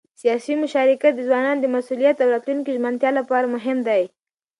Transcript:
سیاسي مشارکت د ځوانانو د مسؤلیت او راتلونکي د ژمنتیا لپاره مهم دی